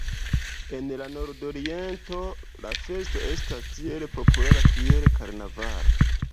En la Nordoriento, la festo estas tiel populara kiel karnavalo.